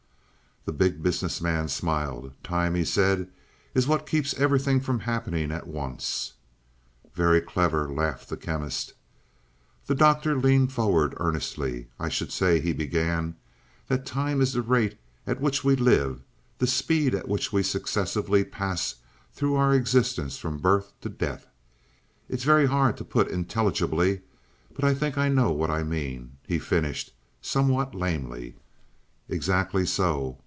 The Big Business Man smiled. "Time," he said, "is what keeps everything from happening at once." "Very clever," laughed the Chemist. The Doctor leaned forward earnestly. "I should say," he began, "that time is the rate at which we live the speed at which we successively pass through our existence from birth to death. It's very hard to put intelligibly, but I think I know what I mean," he finished somewhat lamely. "Exactly so.